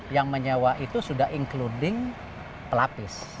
yang menyewa itu sudah including pelapis